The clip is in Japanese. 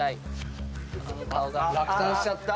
落胆しちゃった。